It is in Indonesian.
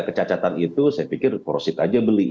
kecacatan itu saya pikir crossit aja beli